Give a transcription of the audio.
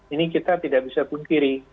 ini kita tidak bisa pun kiri